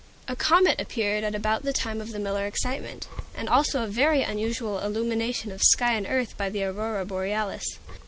A comet appeared at about the time of the Miller excitement, and also a very unusual illumination of sky and earth by the Aurora Borealis.